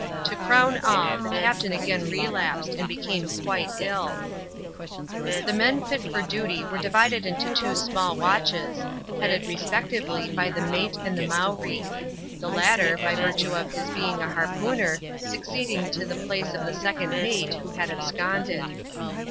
To crown all, the captain again relapsed, and became quite ilL The men fit for duty were divided into two small watches^ beaded respectively by the mate and the Mowree ; the latter, by virtue of his bdng a harpooneer, succeeding to the place of the second mate, who had absconded.